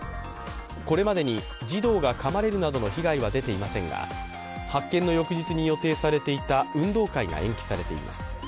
これまでに児童がかまれるなどの被害は出ていませんが発見の翌日に予定されていた運動会が延期されています。